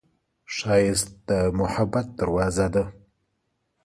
ښایست د محبت دروازه ده